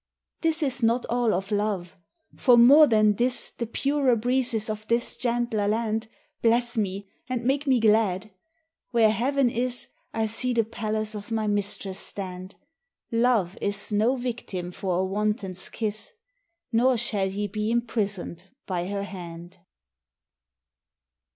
This is not all of love, for more than this x ' The purer breezes of this gentler land Bless me and make me glad, where heaven is I see the palace of my mistress stand ; Love is no victim for a wanton's kiss, Nor shall he be imprisoned by her hand.